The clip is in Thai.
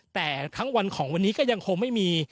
แต่ทั้งวันของวันนี้ก็ยังคงไม่มี